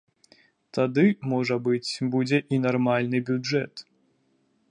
Тады, можа быць, будзе і нармальны бюджэт.